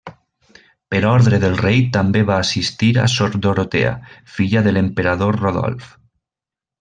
Per ordre del rei també va assistir a sor Dorotea, filla de l'emperador Rodolf.